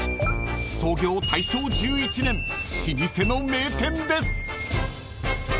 ［創業大正１１年老舗の名店です］